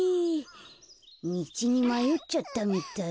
みちにまよっちゃったみたい。